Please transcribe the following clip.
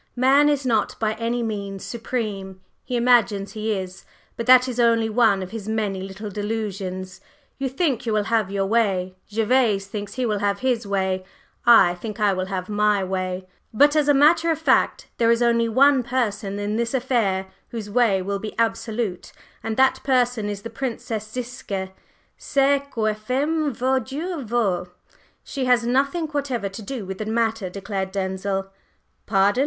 "Man is not by any means supreme. He imagines he is, but that is only one of his many little delusions. You think you will have your way; Gervase thinks he will have his way; I think I will have my way; but as a matter of fact there is only one person in this affair whose 'way' will be absolute, and that person is the Princess Ziska. Ce que femme veut Dieu veut." "She has nothing whatever to do with the matter," declared Denzil. "Pardon!